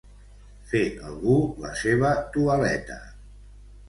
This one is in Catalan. Fer algú la seva toaleta.